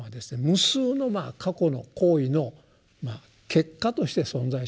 無数の過去の行為の結果として存在してるわけですね。